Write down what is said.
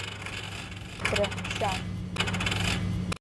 Драҳәшьан.